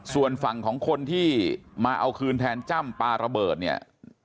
ส่วนฝั่งของคนที่มาเอาคืนแทนจ้ำปลาระเบิดเนี่ย